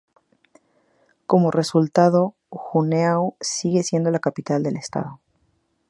Como resultado, Juneau sigue siendo la capital del estado.